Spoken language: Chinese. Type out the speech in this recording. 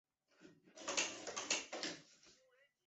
毛翼管鼻蝠属等之数种哺乳动物。